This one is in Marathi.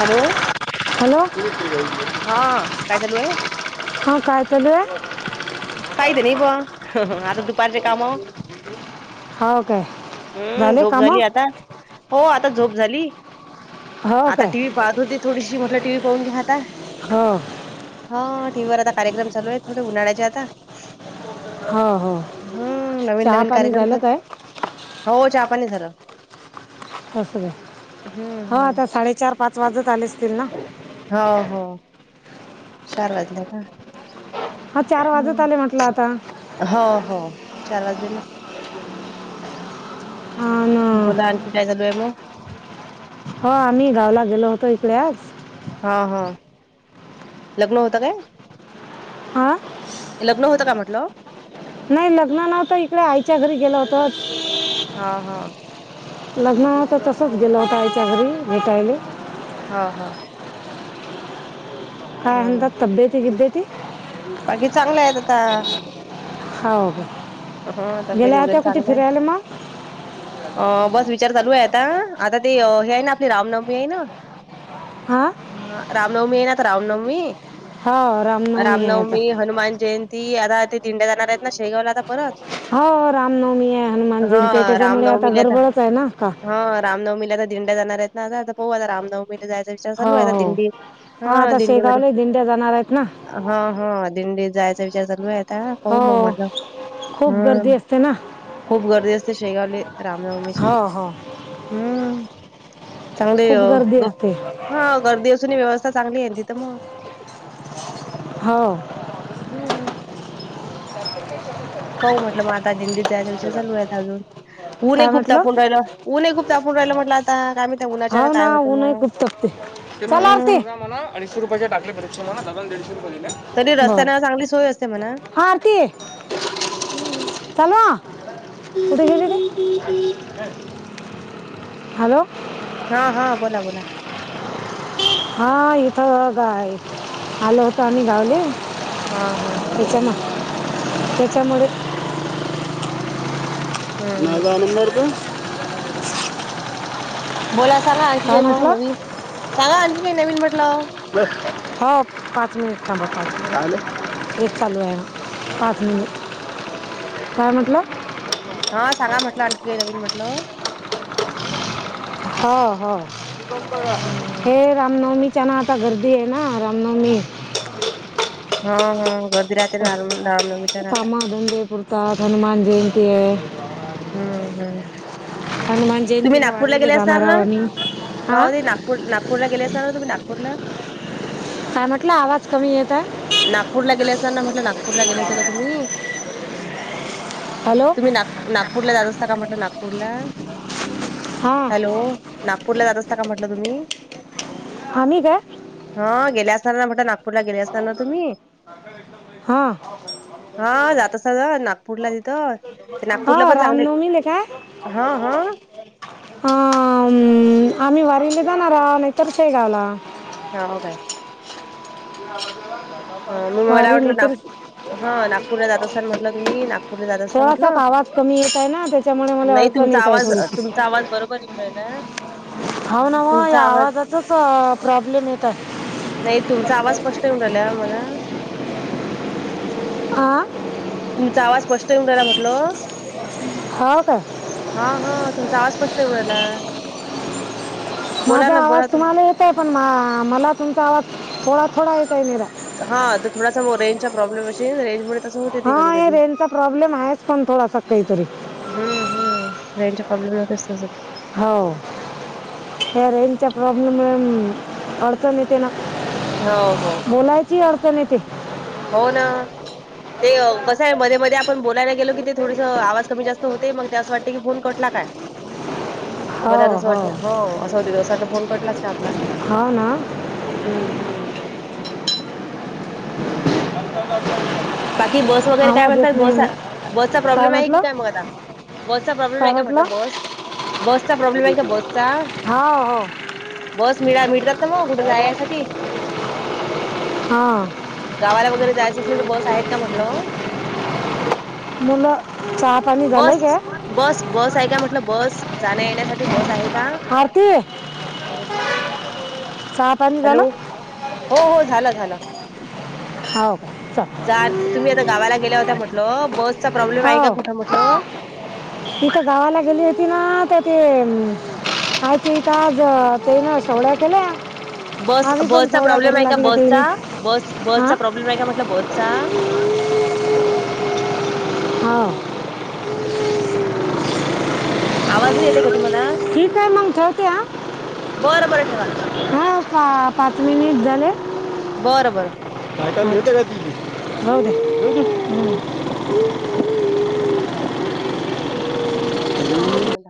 हॅलो. हॅलो. हा काय चालू आहे.? हा काय चालू आहे.? काही ते नाही बुवा आता दुपारचे कामं. हो काय हुं.. झाले झोप कामं झाली आता. हो आता झोप झाली, हो आता काय टीव्ही पाहत होती थोडीशी म्हटलं टीव्ही पाहून घ्या आता. हा. हा टीव्हीवर आता कार्यक्रम चालू आहे, थोडे उन्हाळ्याचे आता. हो हो हम्म नवीन चहा -नवीन पाणी कार्यक्रम झालं तर, काय हो चहापाणी झालं. तस हम्म हो हम्म आता साडेचार पाच वाजत आले असतील ना. हो हो चार वाजल्या ना. हा चार वाजत आले म्हटलं आता. हो, हो चार वाजले ना. हां न बोला आणखी काय चालू आहे मग? हो आम्ही गावला होतो इकडे आज. हा हा लग्न होता काय? हां लग्न होतं का म्हटलं? नाही लग्न नव्हतं इकडे आईच्या घरी गेलो होतो. हा हा. लग्न नव्हतं तसंच गेलो होता आईच्या घरी भेटायले. हा हा. काय हम्म म्हणता तबियेती बिब्बती? बाकी चांगलं आहेत आता हाव क्या हा तब्येत गेल्या वगैरे होत्या कुठे चांगला आहे. फिरायले म? अ बस विचार चालू आहे आता आता ते हे आहे ना आपली रामनवमी आहे ना हां हा रामनवमी आहे ना तर रामनवमी हो आहे आता रामनवमी हनुमान जयंती आता ते दिंड्या जाणार आहेत ना शेगावला आता परत. हो रामनवमी आहे हनुमान हा जयंती आहे त्याच्यामुळे आता रामनवमीला गडबडच आहे ना का. हा रामनवमीला आता दिंड्या जाणार आहेत ना पाहू आता रामनवमी ते जायचा विचार हो चालू आहे आता हो दिंडी हा आता दिंडीमध्ये. शेगावला दिंड्या जाणार आहेत ना हा हा दिंडीत जायचा विचार चालू आहे आता पाहू मग हो म्हटलं. खूप गर्दी हम्म असते ना. खूप गर्दी असते शेगावले हो रामनवमीसाठी हो हम्म. चांगलेय अ खूप गर्दी गप असते हा गर्दी असून ही व्यवस्था चांगली आहे ना तिथं मग. हाव. हम्म. पाहू म्हटलं म आता दिंडीत जायचा विषय चालू आहेत अजून ऊन ही काय खूप म्हटलं तापून राहिलं. ऊन ही खूप तापून राहिल म्हटलं आता काय माहित हाव ना ऊन ही खूप तापती चल आरती. हम्म. अडीचशे रुपयाचे टाकले परिक्षेना दादाने दीडशे रुपये दिले तरी बर रस्त्यानं चांगली सोय असते म्हणा. हा आरती. हम्म. [unintelligible] चालू हा कुठ गेली रे? हॅलो. हा हा बोला बोला. हा इथं गाय आलो होतो आम्ही गावले. हां हां. त्याच्या म त्याच्यामुळे हं. माझा नंबर त्यो बोला सांगा आणखी काय मग नवीन सांगा आणखी काही नवीन म्हटलं. हो पाच मिनिट थांबा पाच मिनिट. ट्रेक चालू आहे पाच मिनिट काय म्हटलं. हा सांगा म्हटलं आणखी काही नवीन म्हटलं? हा हा हं. हे रामनवमीच्याना आता गर्दी येना रामनवमी. हा हा गर्दी राहते ना नाम रामनवमीची. कामा दंडे पुुरतात हनुमान जयंती आहे. हम्म हम्म. हनुमान जयंतीले वारीले असणार जाणार ना? आहोत आम्ही. का आं. हो ते नागपूर नागपूरला गेले असणार तुम्ही नागपूरला. काय म्हटलं आवाज कमी येत आहे नागपूरला गेले असणार ना म्हटल नागपूरला गेले होते का तुम्ही. हॅलो. तुम्ही नाग-नागपूर ला जात असता का म्हटल, नागपूरला. हां हॅलो, नागपूरला जात असता का म्हटल तुम्ही. आम्ही का. ह गेले असणार ना म्हटल, नागपूरला गेले असणारना तुम्ही. [unintelligible] हां. हा जात आसता ना नागपूरला तिथ. हो रामनवमी ले का. हां, हां. आं आम्ही वारिला जाणार नाही तर शेगावला. हो-हो बाय. वारी नाही तर हा नागपूरला जात असताना म्हटलं तुम्ही, नागपूरला जात असता म्ह थोडासा आवाज कमी येत आहे ना त्याच्यामुळ. नाही तुमचा आवाज तुमचा, आवाज बरोबर येऊ राहिला. तुमचा आवाज तसा प्रॉब्लेम येत आहे. नाही तुमचा आवाज स्पष्ट येऊ राहिला मला. आ. तुमचा आवाज स्पष्ट येऊन राहिला म्हटलं. हाव काय. हा हं तुमचा आवाज स्पष्ट येऊ राहिला. बोला माझा ना आवाज बोला तुम तुम्हाला येत आहे, पण मला तुमचा आवाज थोडा थोडा येत आहे जरा. हा तर थोडासा व रेंजचा प्रॉब्लेम अशील. रेंजमुळे तसं होते ते हा कधी हे कधी. रेंजचा प्रॉब्लेम आहेच पण थोडासा काहीतरी. हम्म- हम्म रेंजच्या प्रॉब्लेम मुळे होते तसंच. हाव. या रेंजच्या प्रॉब्लेम मुळे अडचण येते ना. हो-हो. बोलायचीही अडचण येते. हो ना. ते कसं आहे, मध्ये-मध्ये आपण बोलायला गेलो की ते थोडसं आवाज कमी जास्त होते, मग ते असं वाटतें की फोन कटला काय. मला तसं वाटते, हो असं होते जसा वाटला फोन कटलाच का आपला. हाव ना. हम्म-हम्म [unintelligible] बाकी बस वगैरे काय आवाज म्हणतात. येत नाही बस, म्हणून. बसचा प्रॉब्लेम आहे की काय मग आता. बसचा प्रॉब्लेम आहे का म्हटलं बस, बसचा प्रॉब्लेम आहे का बसचा. हो हो बस मिळ मिळतात ना, मग कुठे जायासाठी. हा. गावाला वगैरे जायचं असलं तर, बस आहेत का म्हटलं. मुलं चार. बस, बस, बस आहे काय म्हटलं बस जाण्या येण्यासाठी बस आहे. आरती ओ रे बाबा. सात. हॅलो, हो, हो, झालं, झालं. [unintelligible] हाव, चा. जा तुम्ही आता गावाला गेल्या होत्या म्हटलं, बसचा प्रॉब्लेम हो आहे का कुठं म्हटलं? तिथं गावाला गेली होती ना, तर ते आज तिथं आज तेन शेवड्या केल्या बस आम्ही पण बसचा शेवड्या प्रॉब्लेम करू आहे का? लागल्या ते बसचा बस बसचा हां प्रॉब्लेम आहे का म्हटलं बसचा? हा. आवाज नाही येत आहे का तुम्हाला? ठीक आहे, मंग ठेवते ह. बरं बरं ठेवा हाव का पाच मिनिट झाले? बरं बरं. काय, काय म्हणते का ती? हाव काय, हम्म. [unintelligible]